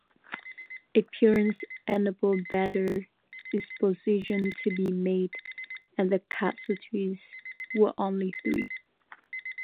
Experience enabled better dispositions to be made, and the casualties were only three.